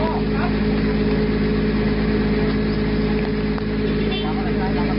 ผู้เสียชีวิตคือนางสุกัญญาอายุหกสิบหกปีนะคะ